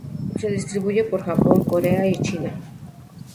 Se distribuye por Japón, Corea y China.